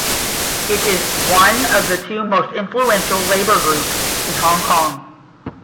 It is one of the two most influential labour groups in Hong Kong.